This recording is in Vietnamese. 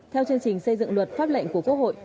theo chương trình xây dựng luật pháp lệnh của quốc hội